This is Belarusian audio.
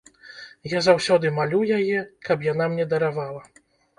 Я заўсёды малю яе, каб яна мне даравала.